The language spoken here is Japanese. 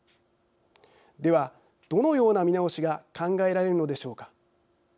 では、どのような見直しが考えられるのでしょうか。